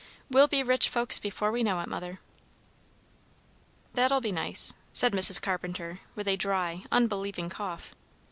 We'll be rich folks before we know it, Mother." "That'll be nice," said Mrs. Carpenter, with a dry, unbelieving cough.